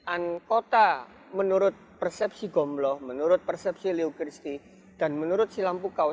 an kota menurut persepsi gomloh menurut persepsi leo christi dan menurut si lampukau